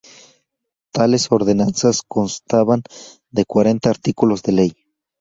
Tales ordenanzas constaban de cuarenta Artículos de Ley.